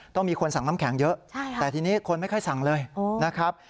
ต้องมีคนสั่งน้ำแข็งเยอะแต่ทีนี้คนไม่ค่อยสั่งเลยนะครับ